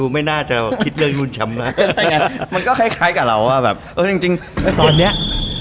มันก็คล้ายกันอะ